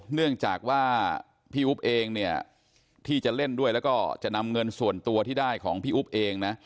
เนื่องจากว่าพี่อุ๊บเองเนี่ยที่จะเล่นด้วยแล้วก็จะนำเงินส่วนตัวที่ได้ของพี่อุ๊บเองนะ